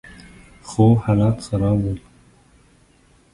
خو حالات خراب ول.